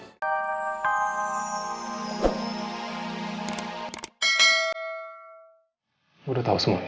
udah tau semua ya